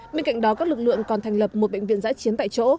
bên cạnh đó các lực lượng còn thành lập một bệnh viện giãi chiến tại chỗ